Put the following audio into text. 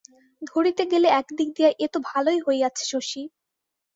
ধরিতে গেলে একদিক দিয়া এ তো ভালোই হইয়াছে শশী?